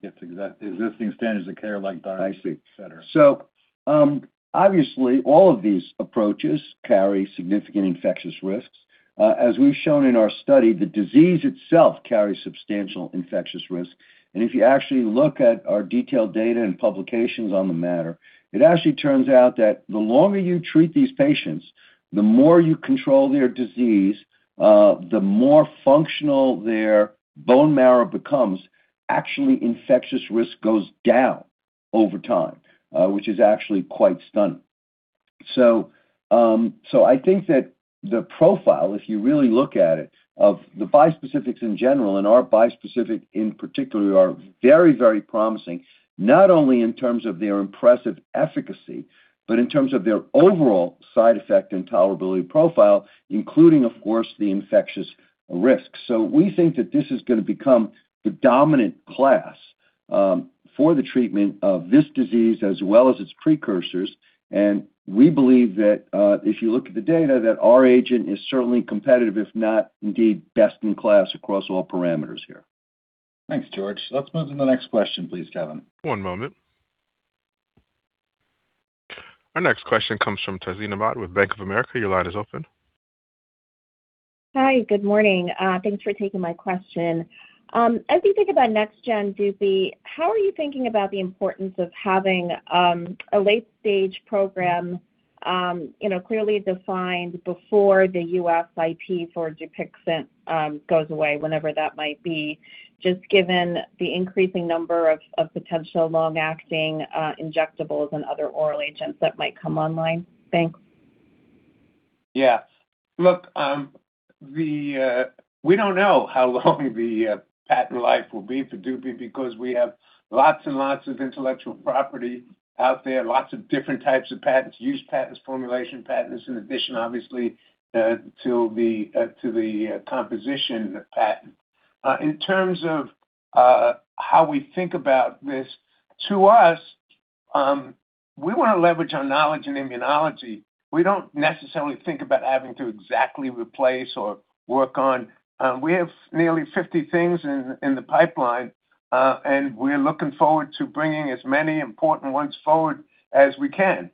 Speaker 10: Yes, existing standards of care like Darzalex, etc.
Speaker 4: I see. Obviously all of these approaches carry significant infectious risks. As we've shown in our study, the disease itself carries substantial infectious risk. If you actually look at our detailed data and publications on the matter, it actually turns out that the longer you treat these patients, the more you control their disease, the more functional their bone marrow becomes, actually infectious risk goes down over time, which is actually quite stunning. I think that the profile, if you really look at it, of the bispecifics in general and our bispecific in particular are very, very promising, not only in terms of their impressive efficacy, but in terms of their overall side effect and tolerability profile, including, of course, the infectious risk. We think that this is going to become the dominant class for the treatment of this disease as well as its precursors. We believe that, if you look at the data, that our agent is certainly competitive, if not indeed best in class across all parameters here.
Speaker 2: Thanks, George. Let's move to the next question, please, Kevin.
Speaker 1: One moment. Our next question comes from Tahseen Ahmad with Bank of America. Your line is open.
Speaker 11: Hi, good morning. Thanks for taking my question. As you think about next gen Dupixent, how are you thinking about the importance of having a late-stage program, you know, clearly defined before the U.S. IP for Dupixent goes away, whenever that might be, just given the increasing number of potential long-acting injectables and other oral agents that might come online? Thanks.
Speaker 3: Yeah. Look, we don't know how long the patent life will be for Dupixent because we have lots and lots of intellectual property out there, lots of different types of patents, use patents, formulation patents, in addition, obviously, to the composition patent. In terms of how we think about this, to us, we wanna leverage our knowledge in immunology. We don't necessarily think about having to exactly replace or work on. We have nearly 50 things in the pipeline, and we're looking forward to bringing as many important ones forward as we can.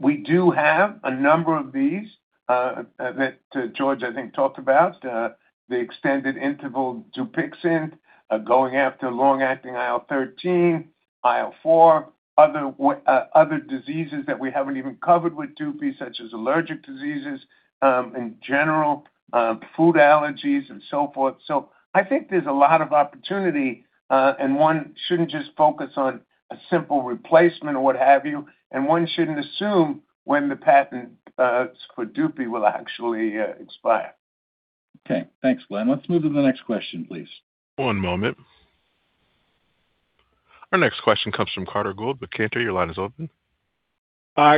Speaker 3: We do have a number of these that George, I think, talked about, the extended interval Dupixent, going after long-acting IL-13, IL-4, other diseases that we haven't even covered with Dupixent such as allergic diseases, in general, food allergies and so forth. I think there's a lot of opportunity, and one shouldn't just focus on a simple replacement or what have you, and one shouldn't assume when the patent for Dupixent will actually expire.
Speaker 2: Okay. Thanks, Len. Let's move to the next question, please.
Speaker 1: One moment. Our next question comes from Carter Gould with Cantor. Your line is open.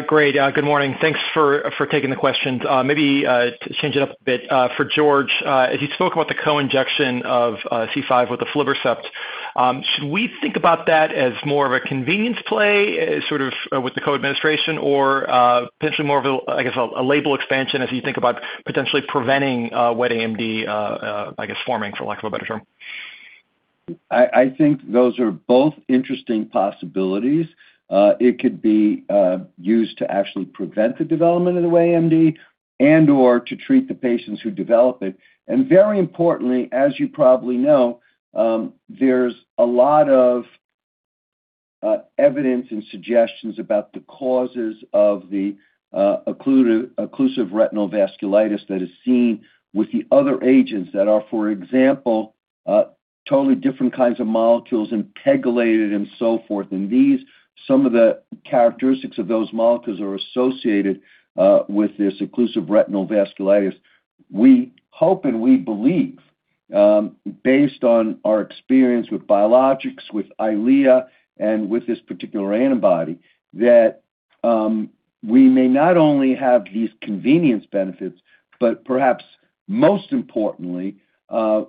Speaker 12: Great. Good morning. Thanks for taking the questions. Maybe to change it up a bit for George, as you spoke about the co-injection of C5 with the aflibercept, should we think about that as more of a convenience play, with the co-administration or potentially more of a, I guess, a label expansion as you think about potentially preventing wet AMD, I guess, forming, for lack of a better term?
Speaker 4: I think those are both interesting possibilities. It could be used to actually prevent the development of the AMD and/or to treat the patients who develop it. Very importantly, as you probably know, there's a lot of evidence and suggestions about the causes of the occlusive retinal vasculitis that is seen with the other agents that are, for example, totally different kinds of molecules and pegylated and so forth. These, some of the characteristics of those molecules are associated with this occlusive retinal vasculitis. We hope and we believe, based on our experience with biologics, with EYLEA and with this particular antibody that, we may not only have these convenience benefits, but perhaps most importantly,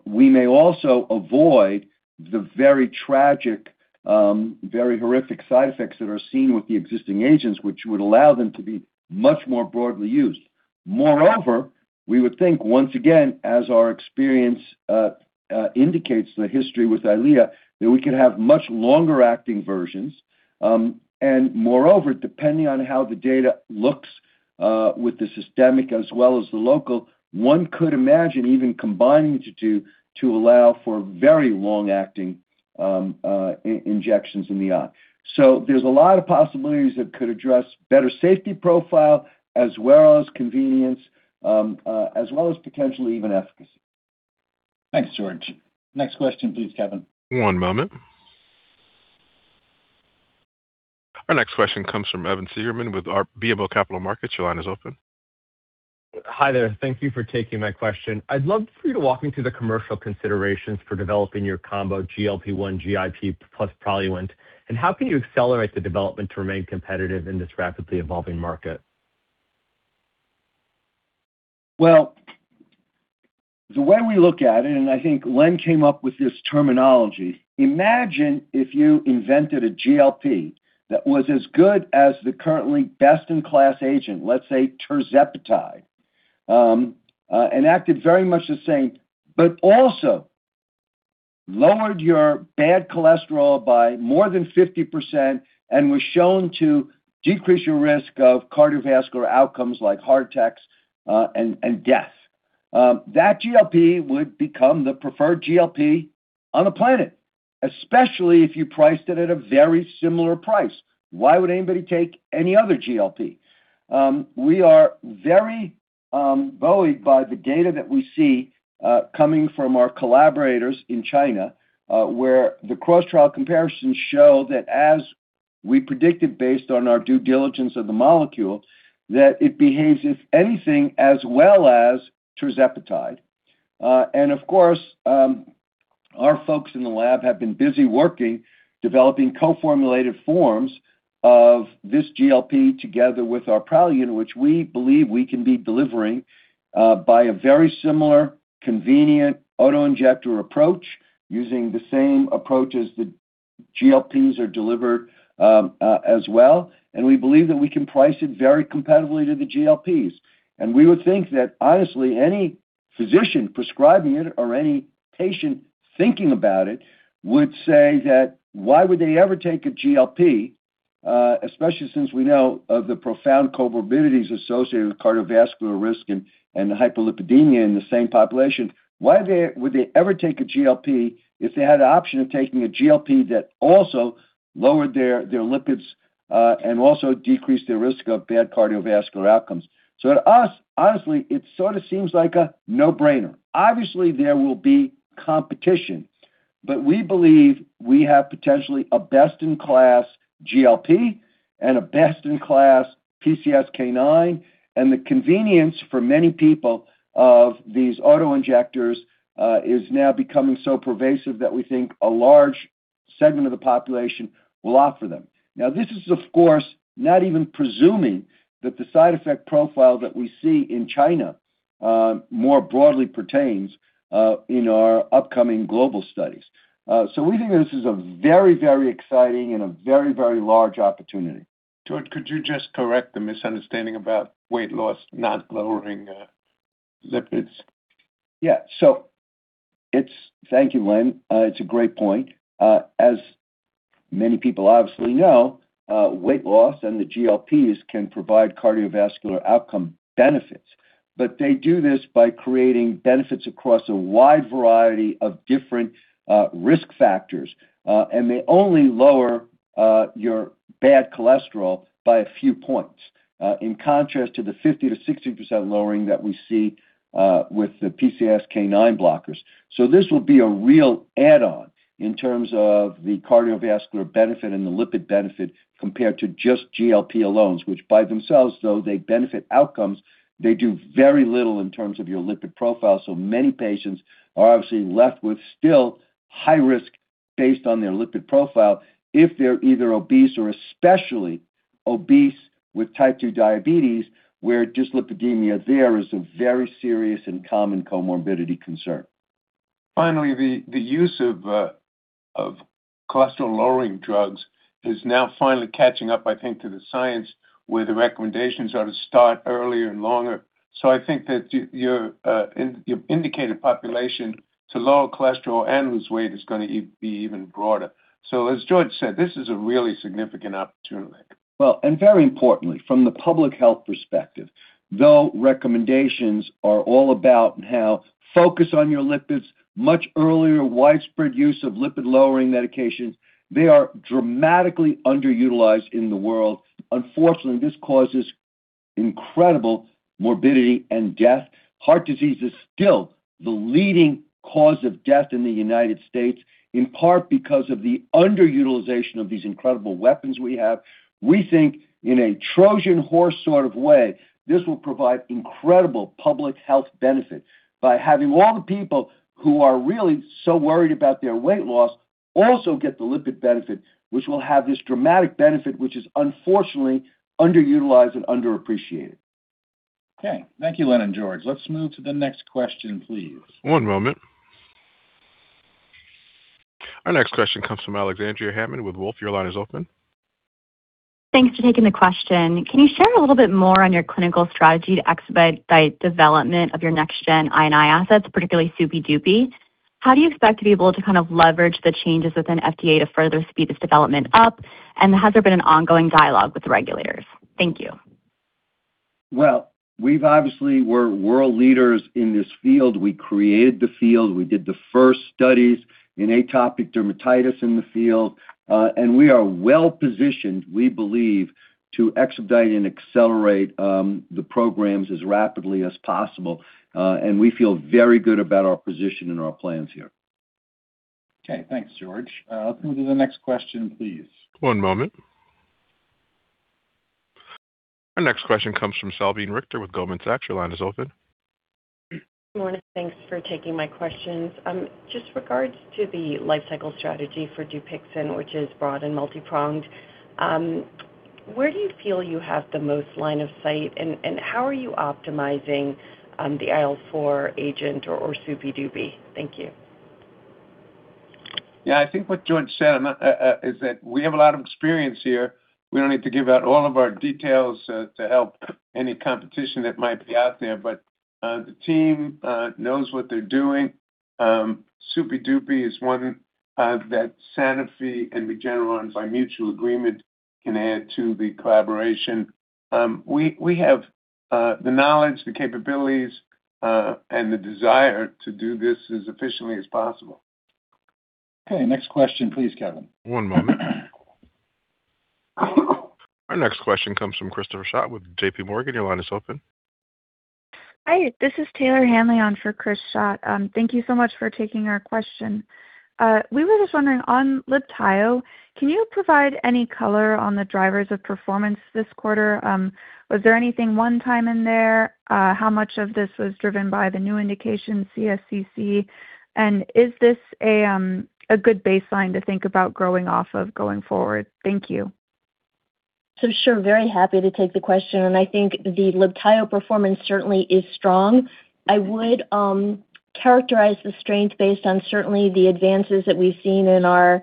Speaker 4: we may also avoid the very tragic, very horrific side effects that are seen with the existing agents, which would allow them to be much more broadly used. We would think, once again, as our experience indicates the history with EYLEA, that we could have much longer-acting versions. Depending on how the data looks, with the systemic as well as the local, one could imagine even combining the two to allow for very long-acting injections in the eye. There's a lot of possibilities that could address better safety profile as well as convenience, as well as potentially even efficacy.
Speaker 2: Thanks, George. Next question, please, Kevin.
Speaker 1: One moment. Our next question comes from Evan Seigerman with BMO Capital Markets. Your line is open.
Speaker 13: Hi there. Thank you for taking my question. I'd love for you to walk me through the commercial considerations for developing your combo GLP-1, GIP plus olatorepatide. How can you accelerate the development to remain competitive in this rapidly evolving market?
Speaker 4: The way we look at it, and I think Len came up with this terminology, imagine if you invented a GLP that was as good as the currently best-in-class agent, let's say tirzepatide, and acted very much the same, but also lowered your bad cholesterol by more than 50% and was shown to decrease your risk of cardiovascular outcomes like heart attacks and death. That GLP would become the preferred GLP on the planet, especially if you priced it at a very similar price. Why would anybody take any other GLP? We are very buoyed by the data that we see coming from our collaborators in China, where the cross-trial comparisons show that as we predicted based on our due diligence of the molecule, that it behaves, if anything, as well as tirzepatide. Of course, our folks in the lab have been busy working, developing co-formulated forms of this GLP together with our Praluent, which we believe we can be delivering by a very similar convenient auto-injector approach using the same approach as the GLPs are delivered as well. We believe that we can price it very competitively to the GLPs. We would think that honestly, any physician prescribing it or any patient thinking about it would say that why would they ever take a GLP, especially since we know of the profound comorbidities associated with cardiovascular risk and the hyperlipidemia in the same population. Why would they ever take a GLP if they had the option of taking a GLP that also lowered their lipids and also decreased their risk of bad cardiovascular outcomes? To us, honestly, it seems like a no-brainer. Obviously, there will be competition, we believe we have potentially a best-in-class GLP and a best-in-class PCSK9, and the convenience for many people of these auto-injectors, is now becoming so pervasive that we think a large segment of the population will offer them. This is, of course, not even presuming that the side effect profile that we see in China, more broadly pertains in our upcoming global studies. We think that this is a very, very exciting and a very, very large opportunity.
Speaker 3: George, could you just correct the misunderstanding about weight loss not lowering, lipids?
Speaker 4: Thank you, Len. It's a great point. As many people obviously know, weight loss and the GLPs can provide cardiovascular outcome benefits. They do this by creating benefits across a wide variety of different risk factors. They only lower your bad cholesterol by a few points, in contrast to the 50%-60% lowering that we see with the PCSK9 blockers. This will be a real add-on in terms of the cardiovascular benefit and the lipid benefit compared to just GLP alone, which by themselves, though they benefit outcomes, they do very little in terms of your lipid profile. Many patients are obviously left with still high risk based on their lipid profile if they're either obese or especially obese with type 2 diabetes, where dyslipidemia there is a very serious and common comorbidity concern.
Speaker 3: Finally, the use of cholesterol-lowering drugs is now finally catching up, I think, to the science where the recommendations are to start earlier and longer. I think that your indicated population to lower cholesterol and lose weight is gonna be even broader. As George said, this is a really significant opportunity.
Speaker 4: Very importantly, from the public health perspective, though recommendations are all about how focus on your lipids much earlier, widespread use of lipid-lowering medications, they are dramatically underutilized in the world. This causes incredible morbidity and death. Heart disease is still the leading cause of death in the U.S., in part because of the underutilization of these incredible weapons we have. We think in a Trojan horse way, this will provide incredible public health benefit by having all the people who are really so worried about their weight loss also get the lipid benefit, which will have this dramatic benefit, which is unfortunately underutilized and underappreciated.
Speaker 2: Okay. Thank you, Len and George. Let's move to the next question, please.
Speaker 1: One moment. Our next question comes from Alexandria Hammond with Wolfe. Your line is open.
Speaker 14: Thanks for taking the question. Can you share a little bit more on your clinical strategy to expedite development of your next gen I&I assets, particularly Dupixent? How do you expect to be able to leverage the changes within FDA to further speed this development up? Has there been an ongoing dialogue with the regulators? Thank you.
Speaker 4: Well, we're world leaders in this field. We created the field. We did the first studies in atopic dermatitis in the field. We are well-positioned, we believe, to expedite and accelerate the programs as rapidly as possible. We feel very good about our position and our plans here.
Speaker 2: Okay, thanks, George. Let's move to the next question, please.
Speaker 1: One moment. Our next question comes from Salveen Richter with Goldman Sachs. Your line is open.
Speaker 15: Good morning. Thanks for taking my questions. Just regards to the life cycle strategy for Dupixent, which is broad and multipronged, where do you feel you have the most line of sight, and how are you optimizing the IL-4 agent or Dupixent? Thank you.
Speaker 3: Yeah, I think what George said is that we have a lot of experience here. We don't need to give out all of our details to help any competition that might be out there. The team knows what they're doing. Dupixent is one that Sanofi and Regeneron, by mutual agreement, can add to the collaboration. We have the knowledge, the capabilities, and the desire to do this as efficiently as possible.
Speaker 2: Okay, next question, please, Kevin.
Speaker 1: One moment. Our next question comes from Christopher Schott with JPMorgan. Your line is open.
Speaker 16: Hi, this is Taylor Hanlon for Chris Schott. Thank you so much for taking our question. We were just wondering, on Libtayo, can you provide any color on the drivers of performance this quarter? Was there anything one time in there? How much of this was driven by the new indication, CSCC? Is this a good baseline to think about growing off of going forward? Thank you.
Speaker 5: Sure, very happy to take the question, and I think the Libtayo performance certainly is strong. I would characterize the strength based on certainly the advances that we've seen in our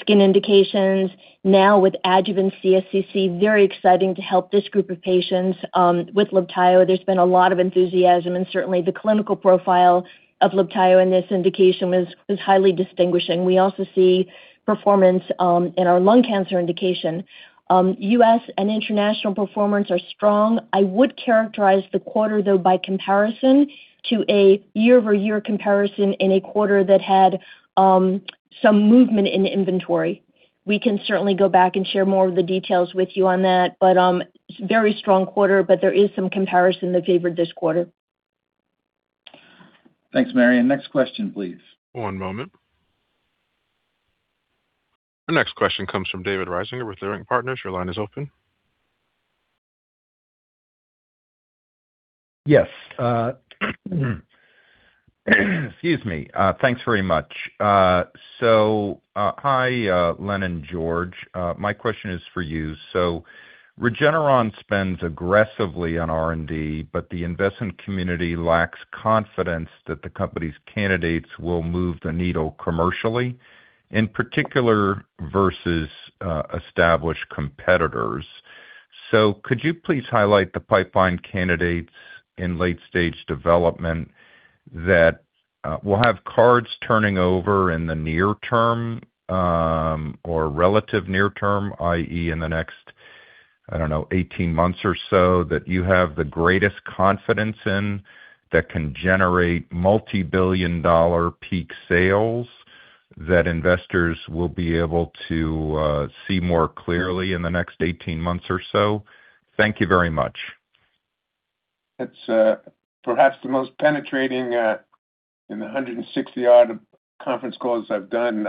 Speaker 5: skin indications. Now with adjuvant CSCC, very exciting to help this group of patients with Libtayo. There's been a lot of enthusiasm and certainly the clinical profile of Libtayo in this indication was highly distinguishing. We also see performance in our lung cancer indication. U.S. and international performance are strong. I would characterize the quarter, though, by comparison to a year-over-year comparison in a quarter that had some movement in the inventory. We can certainly go back and share more of the details with you on that, but very strong quarter, but there is some comparison that favored this quarter.
Speaker 2: Thanks, Marion. Next question, please.
Speaker 1: One moment. Our next question comes from David Risinger with Leerink Partners. Your line is open.
Speaker 17: Yes. Excuse me. Thanks very much. Hi, Len and George. My question is for you. Regeneron spends aggressively on R&D, but the investment community lacks confidence that the company's candidates will move the needle commercially, in particular versus established competitors. Could you please highlight the pipeline candidates in late-stage development that will have cards turning over in the near-term, or relative near-term, i.e., in the next, I don't know, 18 months or so, that you have the greatest confidence in that can generate multibillion-dollar peak sales that investors will be able to see more clearly in the next 18 months or so? Thank you very much.
Speaker 3: It's perhaps the most penetrating, in the 160 odd conference calls I've done,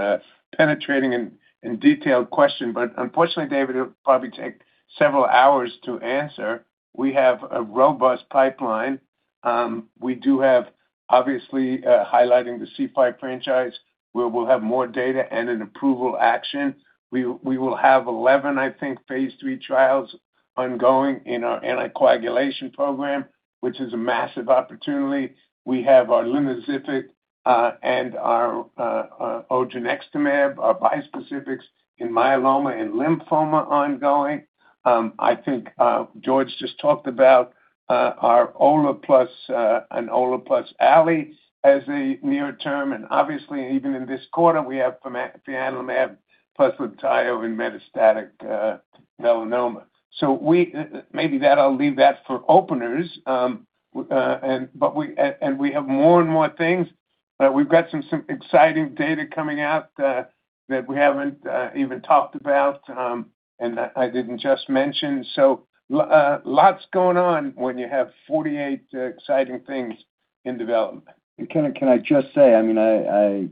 Speaker 3: penetrating and detailed question. Unfortunately, David, it'll probably take several hours to answer. We have a robust pipeline. We do have obviously, highlighting the C5 franchise, where we'll have more data and an approval action. We will have 11, I think, phase III trials ongoing in our anticoagulation program, which is a massive opportunity. We have our linvoseltamab and our odronextamab, our bispecifics in myeloma and lymphoma ongoing. I think George just talked about our olateronide plus and olateronide plus alirocumab as a near-term. Obviously, even in this quarter, we have fianlimab plus Libtayo in metastatic melanoma. Maybe that I'll leave that for openers. We have more and more things. We've got some exciting data coming out that we haven't even talked about, and that I didn't just mention. Lots going on when you have 48 exciting things in development.
Speaker 4: Can I just say, I mean, I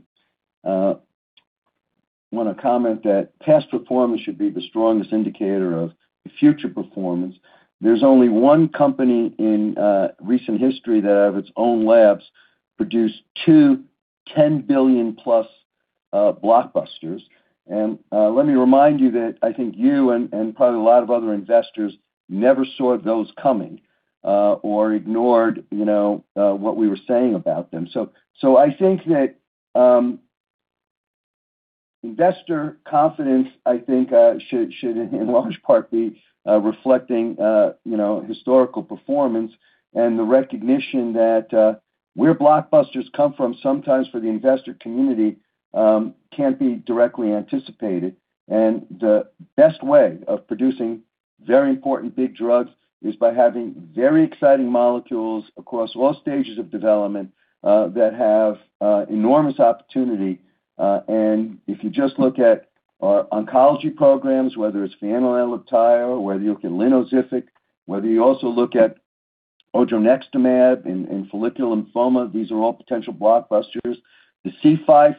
Speaker 4: want to comment that past performance should be the strongest indicator of future performance. There's only one company in recent history that have its own labs produced two $10 billion+ blockbusters. Let me remind you that I think you and probably a lot of other investors never saw those coming or ignored, you know, what we were saying about them. So I think that investor confidence, I think, should in large part be reflecting, you know, historical performance and the recognition that where blockbusters come from sometimes for the investor community can't be directly anticipated. The best way of producing very important big drugs is by having very exciting molecules across all stages of development that have enormous opportunity. If you just look at our oncology programs, whether it's fianlimab, whether you look at linvoseltamab, whether you also look at odronextamab in follicular lymphoma, these are all potential blockbusters. The C5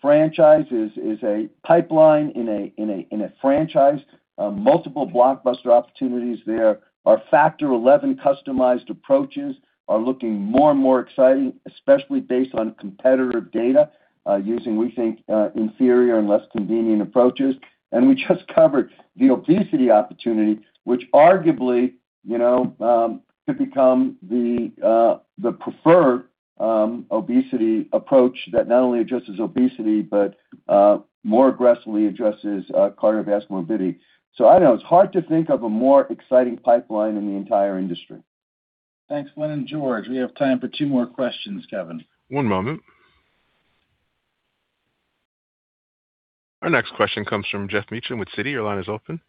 Speaker 4: franchise is a pipeline in a franchise. Multiple blockbuster opportunities there. Our Factor XI customized approaches are looking more and more exciting, especially based on competitor data, using, we think, inferior and less convenient approaches. We just covered the obesity opportunity, which arguably, you know, could become the preferred obesity approach that not only addresses obesity, but more aggressively addresses cardiovascular morbidity. I don't know, it's hard to think of a more exciting pipeline in the entire industry.
Speaker 2: Thanks, Len and George. We have time for two more questions, Kevin.
Speaker 1: One moment. Our next question comes from Geoff Meacham with Citi. Your line is open.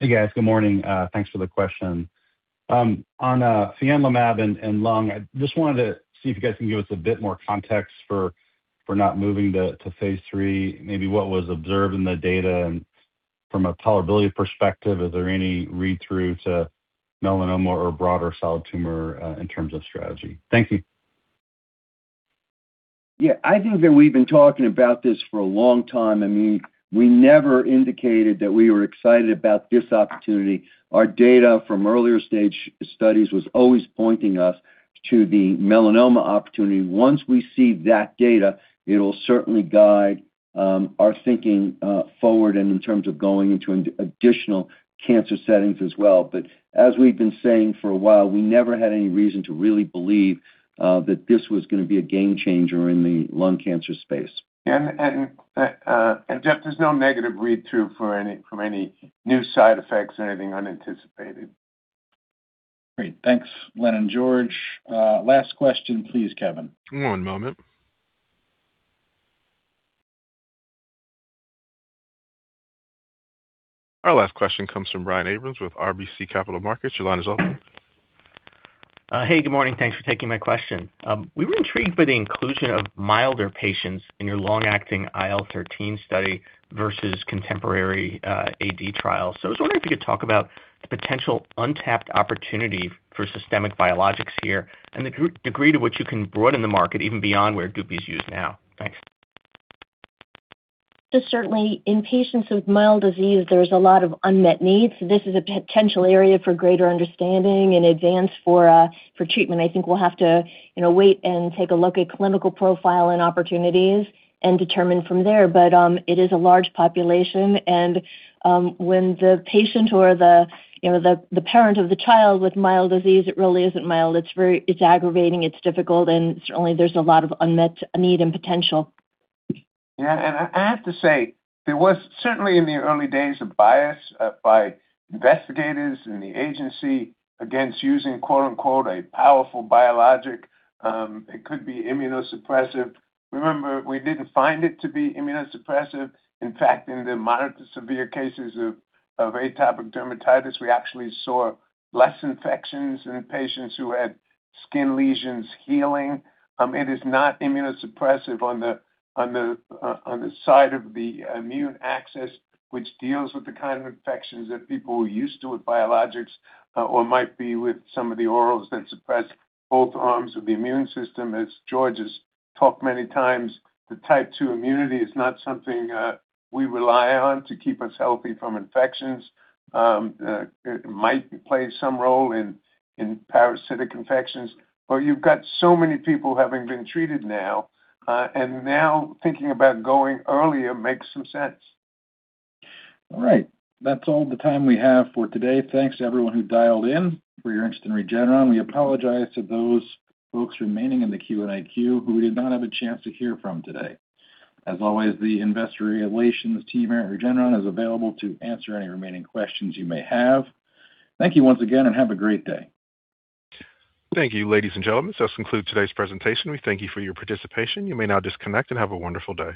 Speaker 18: Hey, guys. Good morning. thanks for the question. on fianlimab and lung, I just wanted to see if you guys can give us a bit more context for not moving to phase III, maybe what was observed in the data and from a tolerability perspective, is there any read-through to melanoma or broader solid tumor in terms of strategy? Thank you.
Speaker 4: Yeah. I think that we've been talking about this for a long time. We never indicated that we were excited about this opportunity. Our data from earlier stage studies was always pointing us to the melanoma opportunity. Once we see that data, it'll certainly guide our thinking forward and in terms of going into an additional cancer settings as well. As we've been saying for a while, we never had any reason to really believe that this was going to be a game changer in the lung cancer space.
Speaker 3: Geoff, there's no negative read-through for any from any new side effects or anything unanticipated.
Speaker 2: Great. Thanks, Len and George. Last question, please, Kevin.
Speaker 1: One moment. Our last question comes from Brian Abrahams with RBC Capital Markets. Your line is open.
Speaker 19: Hey, good morning. Thanks for taking my question. We were intrigued by the inclusion of milder patients in your long-acting IL-13 study versus contemporary, AD trial. I was wondering if you could talk about the potential untapped opportunity for systemic biologics here and the degree to which you can broaden the market even beyond where Dupixent is used now. Thanks.
Speaker 5: Certainly in patients with mild disease, there's a lot of unmet needs. This is a potential area for greater understanding and advance for treatment. I think we'll have to, you know, wait and take a look at clinical profile and opportunities and determine from there. It is a large population and, when the patient or the, you know, the parent of the child with mild disease, it really isn't mild. It's very it's aggravating, it's difficult, and certainly there's a lot of unmet need and potential.
Speaker 3: I have to say, there was certainly in the early days, a bias by investigators and the agency against using, quote-unquote, "a powerful biologic." It could be immunosuppressive. Remember, we didn't find it to be immunosuppressive. In fact, in the moderate to severe cases of atopic dermatitis, we actually saw less infections in patients who had skin lesions healing. It is not immunosuppressive on the side of the immune axis, which deals with the infections that people are used to with biologics or might be with some of the orals that suppress both arms of the immune system. As George has talked many times, the type two immunity is not something we rely on to keep us healthy from infections. It might play some role in parasitic infections, but you've got so many people having been treated now, and now thinking about going earlier makes some sense.
Speaker 2: All right. That's all the time we have for today. Thanks to everyone who dialed in, for your interest in Regeneron. We apologize to those folks remaining in the queue and IQ who we did not have a chance to hear from today. As always, the investor relations team here at Regeneron is available to answer any remaining questions you may have. Thank you once again, and have a great day.
Speaker 1: Thank you, ladies and gentlemen. This concludes today's presentation. We thank you for your participation. You may now disconnect and have a wonderful day.